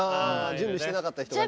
準備してなかった人がね。